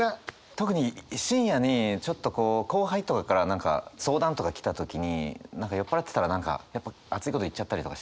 特に深夜にちょっと後輩とかから何か相談とか来た時に酔っ払ってたら何かやっぱ熱いこと言っちゃったりとかして。